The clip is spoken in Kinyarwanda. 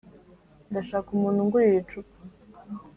Ndashaka umuntu ungurira icupa